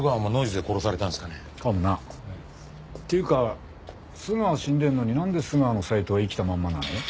っていうか須川死んでんのになんで須川のサイトは生きたまんまなの？